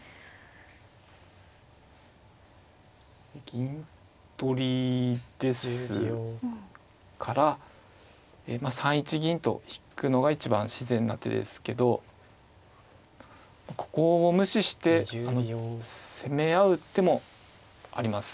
銀取りですから３一銀と引くのが一番自然な手ですけどここを無視して攻め合う手もあります。